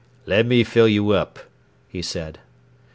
"Let me fill you up," he said.